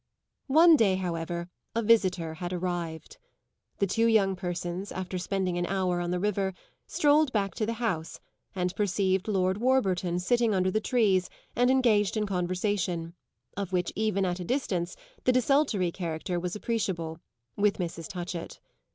One day, however, a visitor had arrived. The two young persons, after spending an hour on the river, strolled back to the house and perceived Lord Warburton sitting under the trees and engaged in conversation, of which even at a distance the desultory character was appreciable, with Mrs. Touchett.